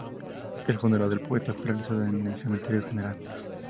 El funeral del poeta fue realizado en el Cementerio General.